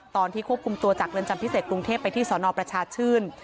ตอนที่ควบคุมตัวจากเรือนจำพิเศษกรุงเทพไปที่สนประชาชื่น